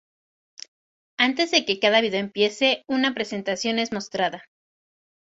Antes de que cada video empiece, una presentación es mostrada.